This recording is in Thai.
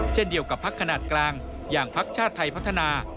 เช่นเดียวกับพักขนาดกลางอย่างพักชาติไทยพัฒนา